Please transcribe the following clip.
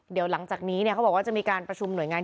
เดี๋ยวหลังจากนี้เขาบอกว่าจะมีการประชุมหน่วยงาน